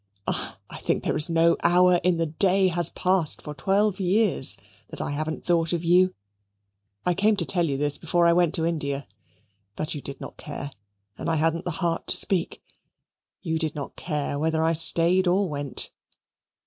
I think there is no hour in the day has passed for twelve years that I haven't thought of you. I came to tell you this before I went to India, but you did not care, and I hadn't the heart to speak. You did not care whether I stayed or went."